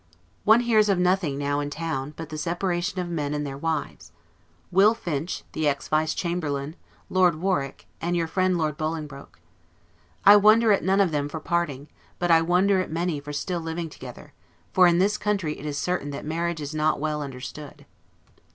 One hears of nothing now in town, but the separation of men and their wives. Will Finch, the Ex vice Chamberlain, Lord Warwick, and your friend Lord Bolingbroke. I wonder at none of them for parting; but I wonder at many for still living together; for in this country it is certain that marriage is not well understood.